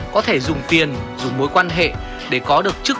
có thể dùng tiền dùng mối quan hệ để có được chức